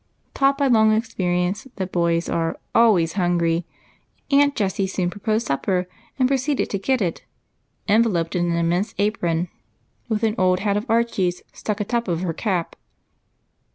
Taught by long experience that boys are alioays hungry, Aunt Jessie soon proposed supper, and pro ceeded to get it, enveloped in an immense apron, with an old hat of Archie's stuck atop of her cap.